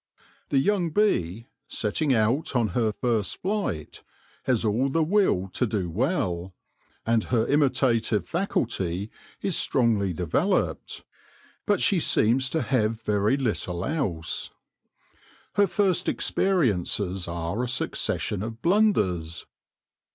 The young bee, setting out on her first flight, has all the will to do well, and her imitative faculty is strongly de veloped ; but she seems to have very little else. Her first experiences are a succession of blunders.